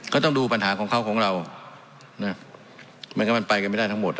ต้องดูปัญหาของเขาของเรานะมันก็มันไปกันไม่ได้ทั้งหมด